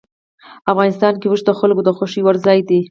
افغانستان کې اوښ د خلکو د خوښې وړ ځای دی.